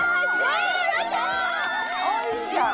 あいいじゃん。